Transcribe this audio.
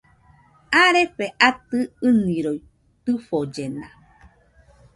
Arefe atɨ ɨniroi tɨfollena